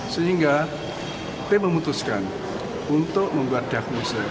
sehingga tim memutuskan untuk membuat diagnosa